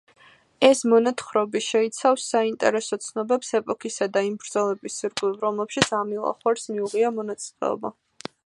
ეს მონათხრობი შეიცავს საინტერესო ცნობებს ეპოქისა და იმ ბრძოლების ირგვლივ, რომლებშიც ამილახვარს მიუღია მონაწილეობა.